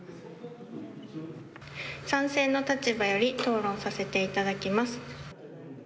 賛成の立場より討論させていただきます。